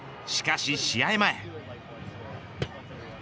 しかし、試合前。